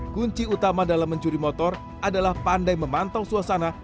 kunci utama dalam mencuri motor adalah pandai memantau suasana